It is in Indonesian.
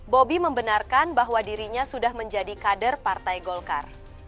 bobi membenarkan bahwa dirinya sudah menjadi kader partai golkar